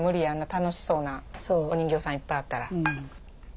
あんな楽しそうなお人形さんいっぱいあったら。